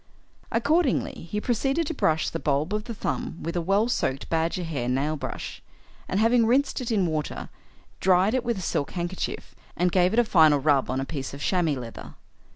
Accordingly he proceeded to brush the bulb of the thumb with a well soaked badger hair nail brush, and, having rinsed it in water, dried it with a silk handkerchief, and gave it a final rub on a piece of chamois leather.